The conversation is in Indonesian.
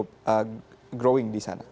apakah itu masih berkembang di sana